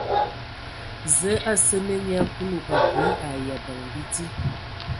Zəə a seme nyia Kulu abui ai abəŋ bidi.